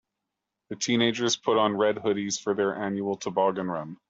The teenagers put on red hoodies for their annual toboggan run.